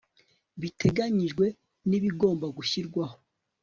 biteganijwe n ibigomba gushingirwaho